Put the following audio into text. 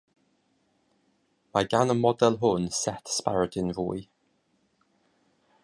Mae gan y model hwn set sbardun fwy.